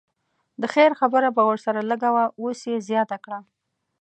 د خیر خبره به ورسره لږه وه اوس یې زیاته کړه.